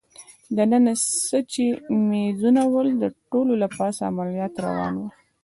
دننه څه چي مېزونه ول، د ټولو له پاسه عملیات روان ول.